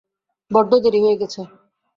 বড্ড দেরি হয়ে গেছে।